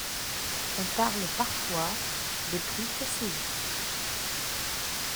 On parle parfois des Prix Caseus.